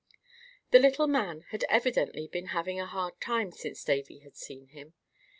The little man had evidently been having a hard time since Davy had seen him.